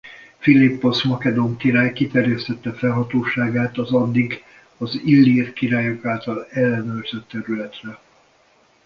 Philipposz makedón király kiterjesztette fennhatóságát az addig az illír királyok által ellenőrzött területre.